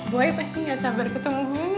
boy pasti gak sabar ketemu gue gak sih